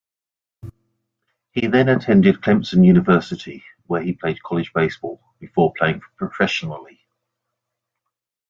He then attended Clemson University, where he played college baseball, before playing professionally.